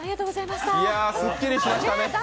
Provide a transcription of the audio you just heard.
すっきりしましたね。